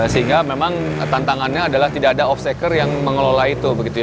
sehingga memang tantangannya adalah tidak ada offseker yang mengelola itu